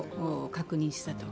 確認したと。